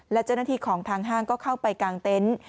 และเจ้าหน้าที่ของทางห้างก็เข้าไปกางเต็นต์